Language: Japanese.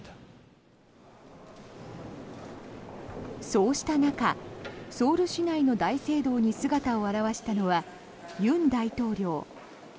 そうした中ソウル市内の大聖堂に姿を現したのは尹大統領。